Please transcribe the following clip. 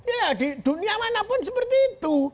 ya di dunia mana pun seperti itu